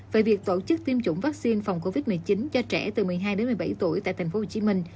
về việc tổ chức tiêm chủng vaccine phòng covid một mươi chín cho trẻ từ một mươi hai đến một mươi bảy tuổi tại tp hcm